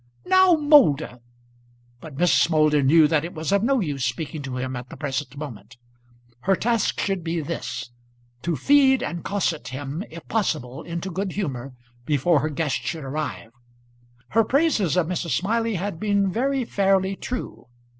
"Now, Moulder " But Mrs. Moulder knew that it was of no use speaking to him at the present moment. Her task should be this, to feed and cosset him if possible into good humour before her guest should arrive. Her praises of Mrs. Smiley had been very fairly true.